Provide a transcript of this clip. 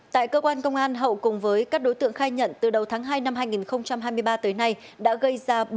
tại cơ quan công an hậu cùng với các đối tượng khai nhận từ đầu tháng hai năm hai nghìn hai mươi ba tới nay đã gây ra